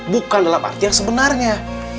bukan dalam arti yang sebenarnya